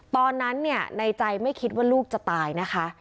ตอนนั้นเนี่ยในใจไม่คิดว่าลูกจะตายนะคะ